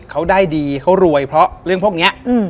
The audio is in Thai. เขาได้ดีเขารวยเพราะเรื่องพวกนี้